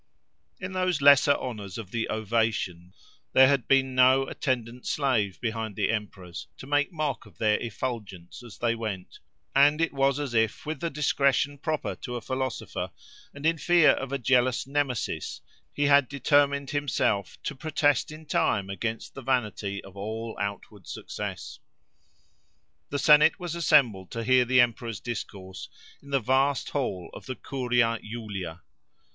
In those lesser honours of the ovation, there had been no attendant slave behind the emperors, to make mock of their effulgence as they went; and it was as if with the discretion proper to a philosopher, and in fear of a jealous Nemesis, he had determined himself to protest in time against the vanity of all outward success. The Senate was assembled to hear the emperor's discourse in the vast hall of the Curia Julia.